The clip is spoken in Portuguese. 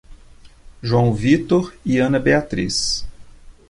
João Vitor e Ana Beatriz